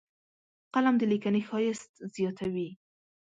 قلم د لیکنې ښایست زیاتوي